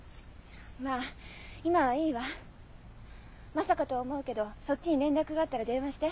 まさかとは思うけどそっちに連絡があったら電話して。